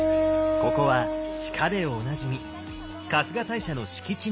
ここは鹿でおなじみ春日大社の敷地内。